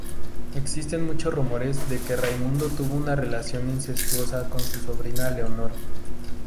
Existen muchos rumores de que Raimundo tuvo una relación incestuosa con su sobrina Leonor.